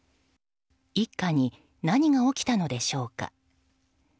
一家に何が起きたのでしょうか。